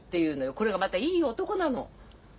これがまたいい男なの。